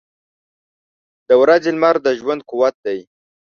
• د ورځې لمر د ژوند قوت دی.